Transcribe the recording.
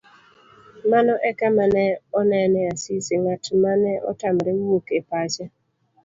Mano ekama ne onene Asisi, ng'at mane otamre wuok e pache.